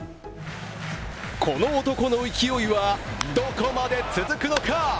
この男の勢いはどこまで続くのか。